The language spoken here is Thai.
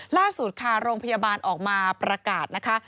ล่าสุดค่ะโรงพยาบาลออกมาประกาศนะคะ